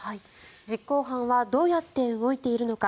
実行犯はどうやって動いているのか。